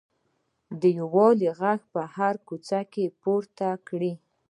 د یووالي غږ په هره کوڅه کې پورته کړئ.